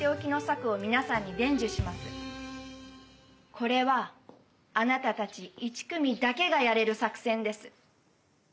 これはあなたたち１組だけがやれる作戦です。